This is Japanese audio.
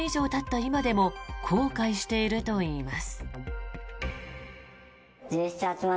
今でも後悔しているといいます。